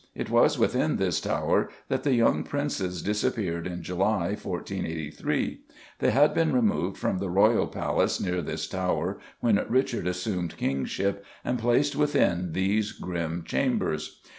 It was within this tower that the young Princes disappeared in July, 1483. They had been removed from the royal palace near this tower when Richard assumed kingship, and placed within these grim chambers.